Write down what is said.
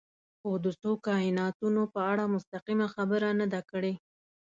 خو د څو کایناتونو په اړه مستقیمه خبره نه ده کړې.